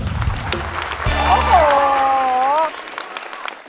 โอ้โห